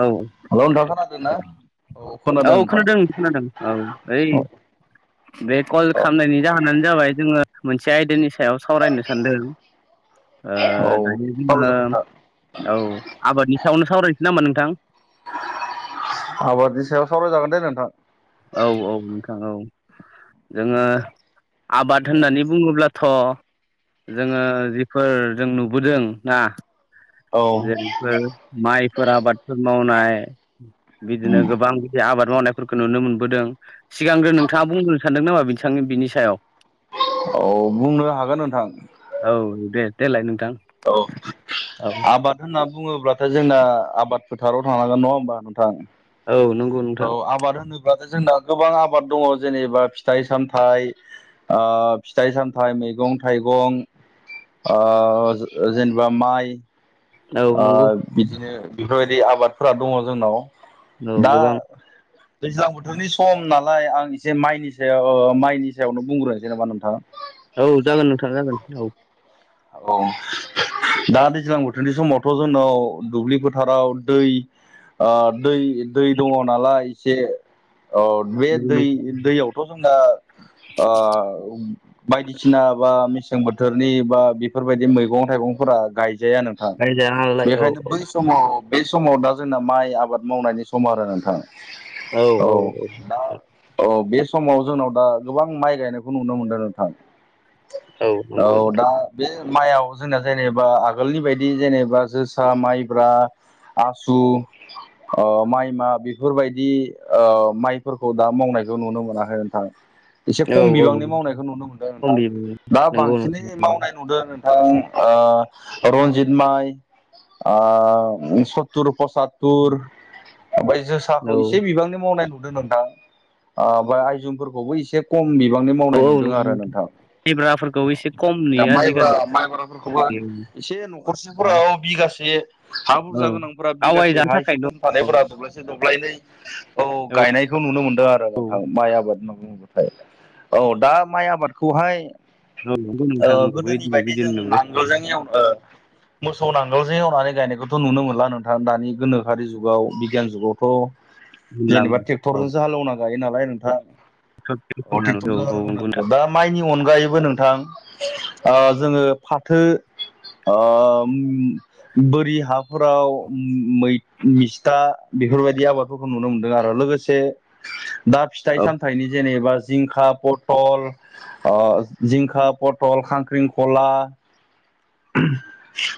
औ हेल' नोंथां खोनादों ना? औ खोनादों खोनादों औ ओइ औ बे कल खालामनायनि जाहोनानो जाबाय जोङो मोनसे आयदानि सायाव सायाव सावरायनो सानदों औ दायो सावरायजागोन नोंथां जोङो औ आबादनि सायावनो सावरायनोसै नामा नोंथां आबादनि सायाव सावरायजागोन दे नोंथां औ औ नोंथां औ जोङो आबाद होननानै बुङोब्लाथ' जोङो जिफोर जों नुबोदों ना औ जेरैफोर माइफोर आबादफोर मावनाय बिदिनो गोबां बिदि आबाद मावनायफोरखौ नुनो मोनबोदों सिगांग्रो नोंथाङा बुंबोननो सानदों नामा बिथांनि बिनि सायाव औ बुंनो हागोन नोंथां औ दे देलाय नोंथां औ औ आबाद होनना बुङोब्लाथाय जोंना आबाद फोथाराव थांनांगोन नङा होमबा नोंथां औ नंगौ नोंथां औ आबाद जोंना गोबां आबाद दङ जेनेबा फिथाइ सामथाइ फिथाइ सामथाइ मैगं थाइगं जेनेबा माइ औ नंगौ बिदिनो बेफोरबायदि आबादफोरा दङ जोंनाव औ दा गोबां दैज्लां बोथोरनि सम नालाय आं एसे माइनि सायाव माइनि सायावनो बुंग्रोनोसै नामा नोंथां औ जागोन नोंथां जागोन औ औ दा दैज्लां बोथोरनि समावथ' जोंनाव दुब्लि फोथाराव दै दै दै दङ नालाय एसे अ बे दै दैयावथ' जोंना बायदिसिना बा मिसिं मेसें बोथोरनि बा बेफोरबायदि मैगं थाइगंफोरा गाय जाया नोंथां गायजाया नालाय औ बेखायनो बै समाव बे समाव दा जोंना माइ आबाद मावनायनि सम आरो नोंथां। औ औ औ। दा औ बे समाव जोंनाव दा गोबां माइ गायनायखौ नुनो मोनदों नोंथां। औ नंगौ नोंथां। माइयाव जोंना जेनेबा आगोलनि बायदि जेनेबा जोसा माइब्रा आसु माइ मा बेफोरबायदि माइफोरखौ दा मावनायखौ नुनो मोनाखै। नोंथां एसे औ खम औ बिबांनि मावनायखौ नुनो मोनदों खम नोंथां दा नंगौ नोंथां बांसिनै मावनाय। नोंथां रन्जित माइ सततुर पसातुर ओमफ्राय जोसाखौ औ एसे बिबांनि मावनाय नुनो। मोनो नोंथां आइजंफोरखोबो एसे खम। बिबांनि मावनाय औ औ नुदों आरो नंगौ नोंथां। लेब्राफोरखौ एसे खम नुयो माइब्रा आजिखालि माइब्राफोरखौबो एसे न'खरसेफोराव बिघासे हा बुरजा औ गोनां। फोरा बिगासे आवगायजानो हा एसे थाखायल' औ खम थानायफोरा दब्लायसे दब्लायनै। औ गायनायखौ नुनो मोनदों आरो औ नोंथां माइ आबाद माव थाय औ दा माइ आबादखौहाय। औ। गोदोनि बायदि जों नांगोलजों एवनायाव। मोसौ नांगोलजों एवनानै गायनायखौथ' नुनो मोनला नोंथां दानि गोनोखोनि जुगाव बिगियान जुगावथ' होनलाङो जेनेबा औ ट्रेक्टरजोंसो हालौवना गायो नालाय नोंथां। अ थिकटरजों औ नंगौ नोंथां हालेवो दा माइनि अनगायैबो नोंथां। ओ जोङो फाथो बोरि हा फोराव मै मिस्था बेफोरबायदि आबादफोरखौ नुनो मोनदों आरो लोगोसे। दा फिथाइ औ सामथाइनि जेनेबा जिंखा पथल जिंखा। पटल खांख्रिंखला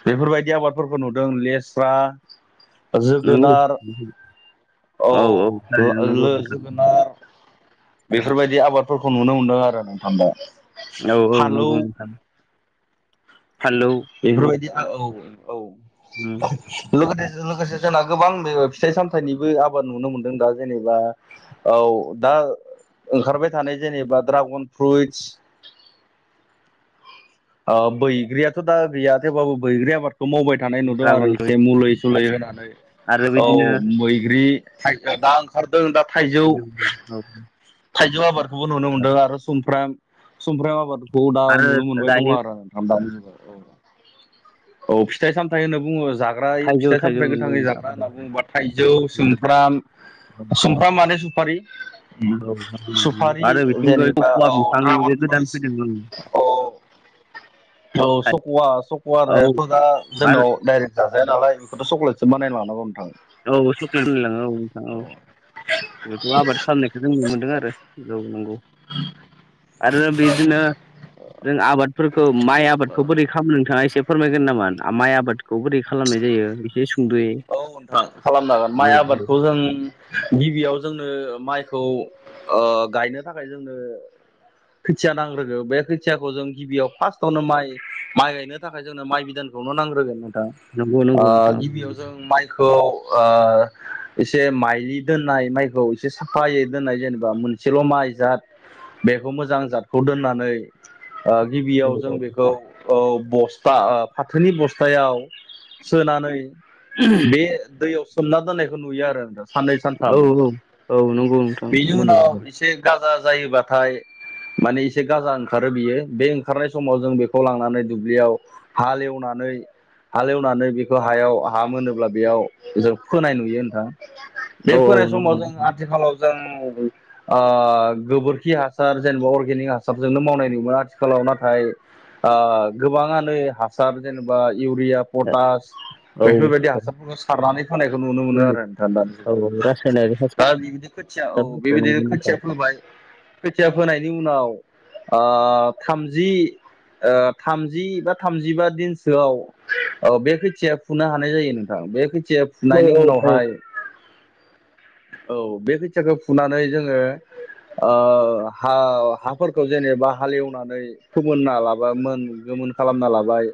बेफोरबायदि आबादफोरखौ नुदों लेस्रा नंगौ जोगोनार औ थारैनो नंगौ लोगो नोंथां जोगोनार बेफोरबायदि आबादफोरखौ नुनो मोनदों आरो नोंथां। औ औ फानलौ नंगौ सानो। बेफोरबायदि औ औ उम, औ लोगोसे लोगोसे जोंना गोबां बे फिथाइ सामथाइनिबो आबाद नुनो मोनदों दा जेनेबा औ दा। ओंखारबाय थानाय जेनेबा ड्रागन फ्रुइटस [inaudible] बैग्रियाथ' दा गैया थेवबाबो बैग्रिया मार बे मावबाय थानाय नुदों आरो ड्रागन एसे फ्रुइट मुलै सोलै होनानै आरो औ बिदिनो मैग्रि। [unintelligible] जों दा थाइजौ लिलिया, औ थाइजौ आबादखौबो नुनो मोनदों आरो समफ्र समफ्राम आबादखौ दा आरो नुनो मोनबाय दङ दायो आरो नथ औ फिथाइ सामथाय होनो बुङो। जाग्रा ओइ थाइजौ फिथाइ थाइजौ सामथायाइ नंगौ गोथाङै नोंथां जाग्रा औ, होनना बुङोबा थाइजौ नुदों। सुमफ्राम औ, सुमफ्राम मानो सुपारि नंगौ नोंथां। सुपारि आरो बिथिंजाय जेनेबा कक'वा औ बिफां जे दड्रागन गोदान फ्रुइस फैदों ओं, औ औ थाइ सकुवा औ सकुवारहायाथ' दा आरो जोंनाव डाइरेक्ट जाजाया नामा। बेखौ'केस बानाय ना बुं औ सुख्लेट होनलाङो औ नोंथां औ। बेथ' आबाद खालामनायखौ जों नुनो मोनदों आरो जौनांगौ। [inaudible] आरो बिदिनो जों आबादफोरखौ माइ आबादखौ बोरै खालामनो बिथाङा एसे फोरमायगोन नामा माइ आबादखौ बोरै खालामनाय जायो एसे सुंद'यै औ नोंथां खालामनांगोन औ माइ औ आबादखौ जों गिबियाव जोंनो माइ खौ गायनो थाखाय जोंनो खोथिया नांग्रोगौ बे खोथियाखौ जों गिबियाव फार्स्टआवनो माइ माइ गायनो थाखाय जोंनो माइ बिदानखौ नांग्रोगोन नोंथां नंगौ नंगौ गिबियाव नोंथां जों माइखौ ओ एसे माइनि दोननाय माइखौ एसे साफायै दोननाय जेनेबा मोनसेल' माइ जाद बेखौ मोजां जादखौ दोननानै गिबियाव जों औ बेखौ बस्था फाथोनि बस्थायाव सोनानै औ बे दैयाव सोमना दोननायखौ नुयो आरो दा। साननै औ सानथाम औ नंगौ नोंथां बेनि उनाव नंगौ एसे गाजा जायोबाथाय माने एसे गाजा ओंखारो बियो बे ओंखारनाय समाव जों बेखौ लांनानै दुब्लियाव हालेवना नै हालेवनानै बेखौ हायाव हा मोनोब्ला बेयाव जों फोनाय नुयो नोंथां बे औ औ फोनाय समाव नंगौ जों नोंथां आथिखालाव मोजां गोबोरखि हासार जेनेबा अर्गेनिक हासारजोंनो मावनाय नुयो। आथिखालाव नाथाय गोबाङानो हासार जेनेबा इउरिया पटास औ बेफोरबायदि हासारफोरखौ सारनानै होनोनायखौ नुनो मोनो आरो नोंथां दानि औ जुगाव। रासायनारि दा बिबायदि खोथिया औ हासारफोरखौ बेबायदिनो नंगौ नोंथां खोथिया फोबाय खोथिया फोनायनि उनाव थामजि थामजि बा थामजिबा दिनसोआव बे खोथिया फुनो हानाय जायो नोंथां। बे खोथिया औ फुनायनि औ औ उनावहाय औ बे खोथियाखौ फुनानै जोङो हाफोरखौ जेनेबा हालेवनानै फोमोनना लाबा मोनगोन खालामना लाबाय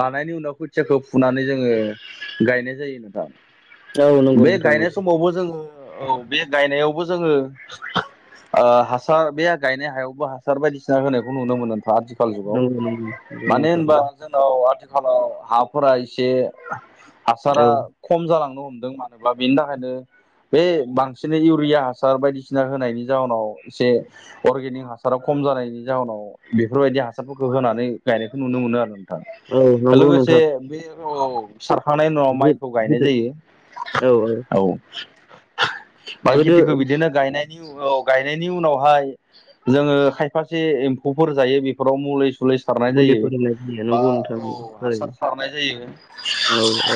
लानायनि उनाव खोथियाखौ फुनानै जोङो गायनाय जायो नथां औ नंगौ बे नोंथां गायनाय नंगौ समावबो जोङो औ बे गायनायावबो जोङो हासार बे गायनाय हायावबो हासार बायदिसिना होनायखौ नुनो मोनो। आथिखाल जुगाव नंगौ नंगौ नंगौ मानो नोंथां होनबा जोंनाव आथिखाल आथिखालाव हाफोरा एसे हासारा औ खम जालांदों। हमदों मानोब्ला बेनि थाखायनो बे बांसिन इउरिया हासार बायदिसिना होनायनि जााहनाव एसे अर्गेनिक हासारा खम खम जानायनि जाहोनाव बेफोरबायदि हासारफोरखौ होनानै गायनायखौ नुनो मोनो आरो। औ नंगौ लोगोसे नोंथां बे औ सारखांनायनि उनाव माइखौ गायनाय गोदो जायो। औ माइ गोदो खिथिखौ बिदिनो गायनाय औ गायनायनि उनावहाय जोङो खायफासे एम्फौ जायो। बेफोराव मुलि सल सारनाय जायो मुलिफोर होनाय जायो बा नंगौ नोंथां औ हासार सारनाय [inaudible] बेनि औ औ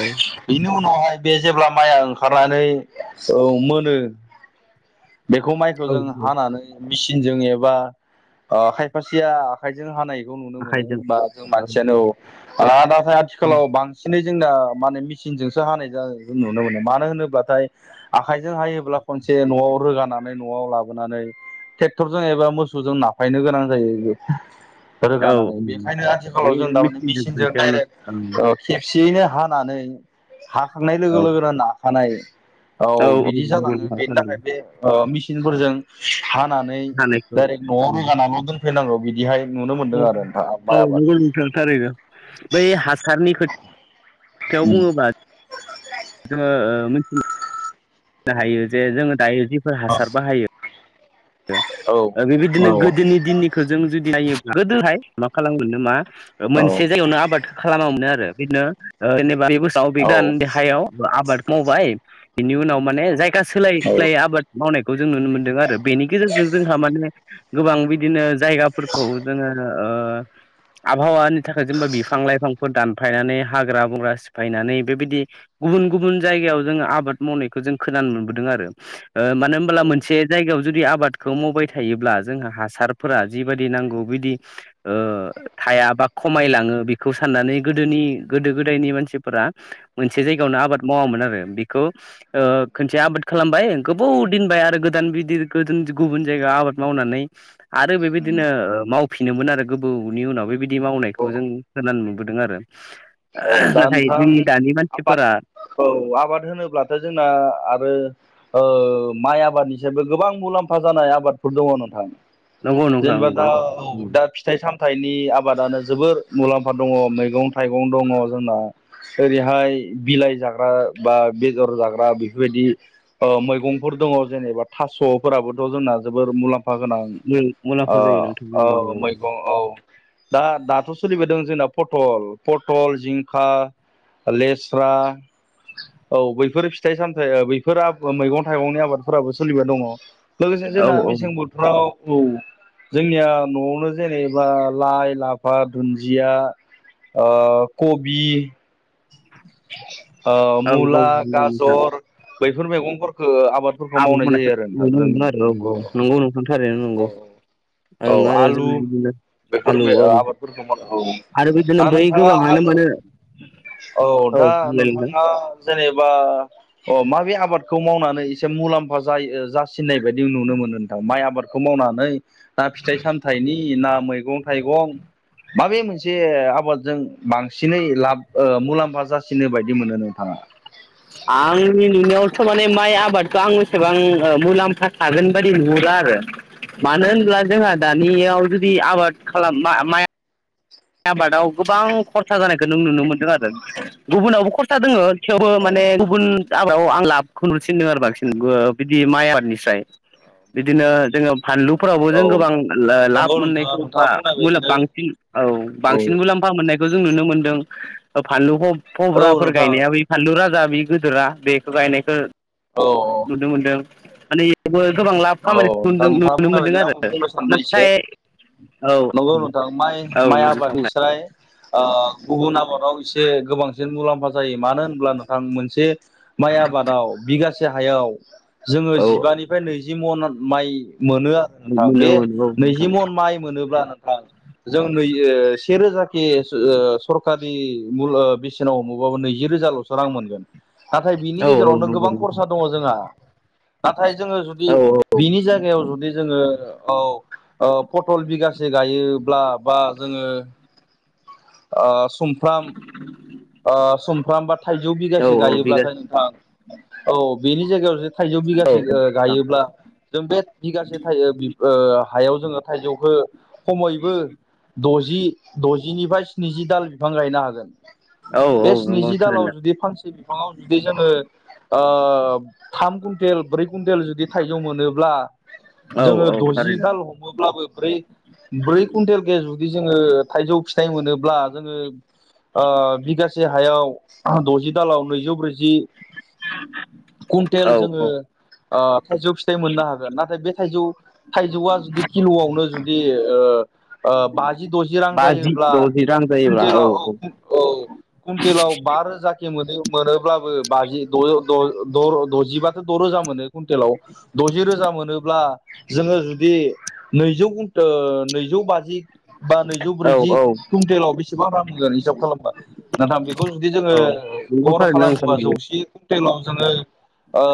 उनावहाय बे जेब्ला माइआ ओंखारनानै औ मोनो बेखौ माइखौ जों औ हानानै मेसिनजों एबा आ खायफासेया आखायजों हानाय बे नुनो मोनो आखाइजों बा जों औ मानसियानो औदाथाय आथिखालाव बांसिनै जोंना माने मेचनजोंसो हानायों नुनो मोनो मानो होनोब्लाथाय आखाइजों हायोब्ला खनसे नआव रोगा नआव लाबोनानै ट्रेक्टरजों एबा मोसौजों नाफायनो गोनां जायो। बे औ रोगानानै बेखायनो बै आथिखालाव जों दारमाने मेचिनजों मेसिनजों खनसेयावनो डाइरेक्ट खेबसेयैनो हानानै हाखांनाय लोगो औ लोगोनो नाखानाय औ बिदि जालाङो बेनि थाखाय बे मेचिनफोरजों हानानै हानायखौ डाइरेक्ट नआव रोगानानानै दोनफैनांगौ बिदि औ औ नंगौ नोंथां थारैनो बै हा सारनि खो खोथायाव बुङोबा जोङो मिथिनो हायो जे जोङो दायो जिफोर हासार बाहायो। औ बेबायदिनो गोदोनि दिननिखौ जों जुदि नाय गोदोहाय मा खालामगोन नामा? औ मोनसे जायगायावनो आबाद खालामामोनो आरो इदिनो ओ बोसोराव औ बिदान देहायाव आबाद मावबाय बिनि उनाव माने जायगा सोलाय औ सोलायै आबाद मावनायखौ जों नुनो मोनदों। आरो बेनि गेजेरजों जोंहा माने गोबां बिदिनो जायगाफोरखौ जोङो आबहावानि थाखाय जेनेबा बिफां लाइफांफोर दान फायनानै हाग्रा बंग्रा सिफायनानै बेबायदि गुबुन गुबुन जायगायाव जोो आबाद मावनायखौ जों खोन नुनो मोनबोदों आरो मोनसे जागा जुदि आबादखौ मावबाय थायोब्ला जोंहा हासारफोरा जिबायाददि नांगौ बिदि हाया बा खमायलाङो बेखौ साननानै गोदोनि गोदो गोदायनि मानसिफोरा मोनसे जायगायावनो आबाद मावामोन आरो बेखौ खनसे आबाद खालामबाय गोबाव दोनबाय आरो गोदान बिदि गुबुन जायगायाव आबाद मावनानै आरो बेबायदिनो माव फिनोमोन आरो गोबावनि उनाव बेबायदि मावनायखौ जों खोनानो नुबोदों आरो औ दा नाथाय नोंथां जोंनि दानि आबाद मानसिफोरा औ आबाद होनोब्लाथ' जोंना आरो माइ आबादनिसबो गोबां मुलाम्फा जानाय आबादफोर दङ नोंथां। नंगौ जेनेबा नंगौ नंगौ दाउ दा फिथाइ साम थाइनि आबादानो जोबोर मुलाम्फा दङ मैगं थाइ दङ जोंना ओरैहाय बिलाइ जाग्रा बा बेदर जाग्रा बेफोरबायदि मैगंफोर दङ जेनेबा थास'फोराबोथ' जोंना जोबोर मुलाम्फा अफा गोनां मुलाम्फा जायो औ नोंथांनियाव मैगं औ दा दाथ' सोलिबायदों जोंना पटल पटल, जिंखा लेस्रा औ बैफोर फिथाइ-सामथाय बैफोर मैगं-थाइगंनि आबादफोराबो सोलिबाय दङ' लोगोसे औ जोंना औ मेसें बोथोराव औ जोंनिया न'आवनो जेनेबा लाइ-लाफा दुन्दिया ओ कबि ओ औ मुला नंगौ गाजर बैफोर मैगंफोर आब मनाय नुनो मोनोन आरो औ औ नंगौ नोंथां थारैनो नंगौ। औ ओं आरो जों आलु बिदिनो बेफोर आलु मैं औ ओ आबादफोरखौ माव आरो बिदिनो दा बै नोंथाङा गोबाङानो आलु माने औ दा बुंलाय नोंथां नोंथाङा। जेनेबा अ माबे आबादखौ मावनानै एसे मुलाम्फा जायो ओ जा सिननाय बायदि नुनो मोनो नोंथां माइ आबादखौ मावनानै ना फिथाइ सामथायाइनि ना मै मैगं-थाइगं माबे मोनसे आबादजों बांसिनै लाब ओ मुलाम्फा जासि नो बायदि मोनो नोंथाङा। आंनि नुनायावथ' माने माइ आबादखौ आं एसेबां मुलाम्फा थागोन बायदि नुहुरो आरो मानो होनब्ला जोंहा दानियाव जुदि आबाद खालाम माइ आबादाव गोबां खरसा जानायखौ नों नुनो मोनदों आरो गुबुनावबो खरसा दोङो थेवबो औ माने गुबुन आबादाव आं लाबखौ नुसिनदों आरो बांसिन बिदि माइ आबादनिस्राय बिदिनो जोङो। फानलुफोरावबो औ जों गोबां नंगौ लाब नोंथाङा मोननायखौ बा नोंथाङा बुंनाय मुला बायदिनो बांसिन औ बांसिन मुलाम्फा मोननायखौ जों नुनो मोनदों। फानलु औ फब्राफोर नोंथां गायनाया ब फानलु राजा बे गिदोरा बेखौ गायनायखौ औ नुनो मोनदों मानेयावबो गोबां लाब औ नोंथां खामानिखौदों नोंथाङा नुनो बुंनाय मोनदों बायदिनो आंबो आरो बुंनो सानबाय एसे नाथाय औ नंगौ औ नोंथां माइ औ माइ नोंथां आबादनिस्राय ओ गुबुन आबादाव से गोबांसिन मुलाम्फा जायो मानो होनब्ला नोंथां मोनसे माइ आबादाव बिगासे हायाव जोङो औ जिबानिफ्राय नैजि मन माइ मोनो आरो नोंथां बे मोनो मोनो औ नोंथां नैजि मन माइ मोनोब्ला जों नै ओ सेरोजा के सरकारि मु बेसेनाव मबाबो नैजि रोजाल'सो रां मोनगोन। नाथाय बिनि औ औ गेजेरावनो नंगौ गोबां खरसा दङ' जोंहा नाथाय जोङो जुदि औ बिनि जायगायाव जुदि जोङो औ ओ पटल बिगासे गायोब्ला बा जोङो आ सुमफ्राम ओ सुमफ्राम बा थाइजौ औ बिगासे औ गायोब्लाथाय बिगासे नोंथां औ बेनि जायगायाव थाइजौ औ बिगासे ओ गायोब्ला जों बे बिगासे थाइ ओ हायाव जोङो थायजौखो खमैबो द जि द'जिनिफ्राय स्निजि दाल बिफां गायनो हागोन। औ औ बे नंगौ स्निजि दालाव थारैनो जुदि फानसे बिफाङाव जुदि जोङो ओ थाम कुइन्टेल ब्रै कुइन्टेल जुदि थाइजौ मोनोब्ला औ जोङो औ दजि थारैनो दाल हमोब्लाबो ब्रै ब्रै कुन्टेल के जुदि जों जोङो थाइजौ फिथाइ मोनोब्ला जोङो ओ बिगासे हायाव द'जि दालाव नैजौ ब्रैजि कुन्टेल जोङो औ औ ओ थाइजौ फिथाइ मोननो हागोन नाथाय बे थाइजौ थाइजौआ जुदि किल'आवनो जुदि ओ बाजि द'जि रां जायोब्ला जायो्ब्ला औ औ कुनटेलाव बा रोजा मोनो मोनोब्लाबो बाजि द'जिबाथ' द' रोजा मोनो कुन्टेलाव। द'जि रोजा मोनोब्ला जोङो जुदि नैजौ ओ घन्टा नैजौ बाजि बा नैजौ औ ब्रैजि औ कुइन्टेलाव बेसेबां रां होगोन हिसाब ना बेखौ जुदि जोङो औ नंगौ गर खालामोबा थारैनो जौसे कुन्टेलाव जोङो ओ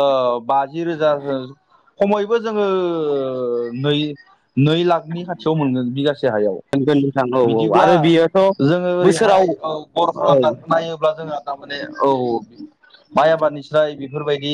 बाजि रोजा खमैबो जोङो नै नै लाखनि खाथियाव मोनगोन बिगासे हायाव। नोंथां औ औ बिदिब्ला आरो बियोथ' जोङो बोसोराव ओरैहाय औ बर' औ खालामना नायोब्ला जोंहा थारमाने औ औ माइ आबादनिस्राय बेफोरबायदि